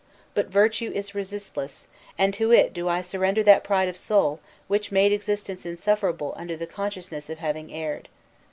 But virtue is resistless, and to it do I surrender that pride of soul which made existence insufferable under the consciousness of having erred.